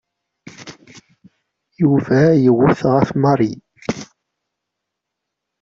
Yuba yewwet ɣef Mary.